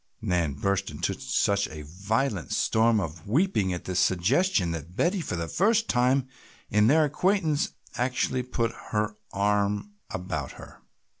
Nan burst into such a violent storm of weeping at this suggestion that Betty for the first time in their acquaintance actually put her arm about her.